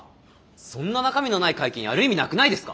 そんな中身のない会見やる意味なくないですか？